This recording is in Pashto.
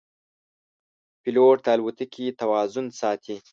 پیلوټ د الوتکې توازن ساتي.